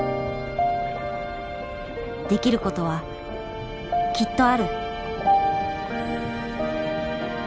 できることはきっとある。